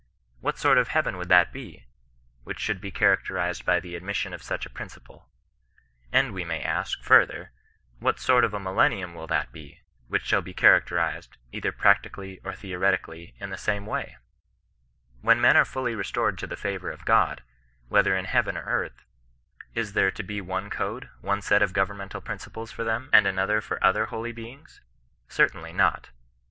What sort of heaven would that be, which should be characterized by the admission of such a principle ? And we may ask, further, what sort of 9bmiUennium will that be, which shall be characterized^ either piSLeticaiily or theoretically, in the same way I CHRISTIAN NON BBSISTANGE. 139 When men are fully restored to the favour of God, whe ther in heaven or earth, is there to be one code, one set of governmental principles for them, and another for other holy beings 1 Certainly not.